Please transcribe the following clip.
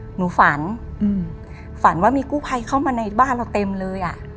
หนูฝันฝันว่ามีกู้ภัยเข้ามาในบ้านเราเต็มเลยอ่ะ